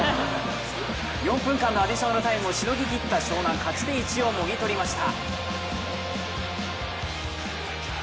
４分間のアディショナルタイムをしのぎきった湘南、勝ち点１をもぎ取りました。